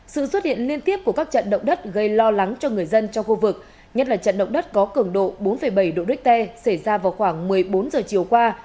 sự xuất hiện liên tiếp của các trận động đất gây lo lắng cho người dân trong khu vực nhất là trận động đất có cường độ bốn bảy độ richter xảy ra vào khoảng một mươi bốn giờ chiều qua